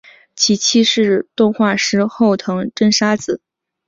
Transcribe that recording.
其妻是动画师后藤真砂子。